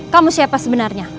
kamu siapa sebenarnya